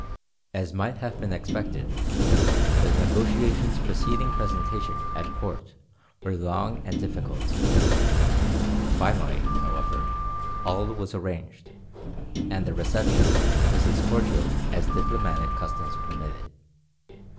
As might have been expected, the negotiations preceding presentation at court were long and difficult. Finally, however, all was arranged, and the reception was as cordial as diplomatic customs permitted.